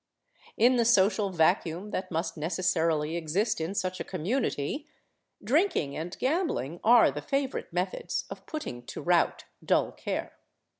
In the social vacuum that must necessarily exist in such a community, drinking and gambling are the favorite methods of putting to rout dull care.